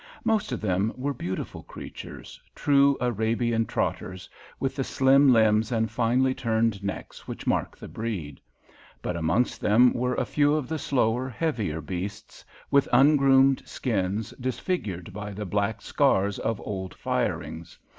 Most of them were beautiful creatures, true Arabian trotters, with the slim limbs and finely turned necks which mark the breed; but amongst them were a few of the slower, heavier beasts, with un groomed skins, disfigured by the black scars of old firings.